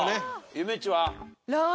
ゆめっちは？